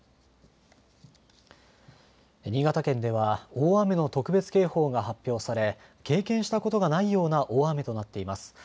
新潟県では大雨の特別警報が発表され経験したことがないような大雨となっています。